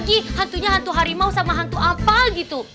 mungkin hantunya hantu harimau sama hantu apal gitu